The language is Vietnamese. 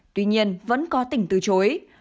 tuy nhiên vẫn có tỉnh từ chối